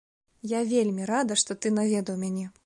Я вельмі рада, што ты наведаў мяне.